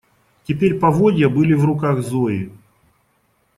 Теперь поводья были в руках Зои.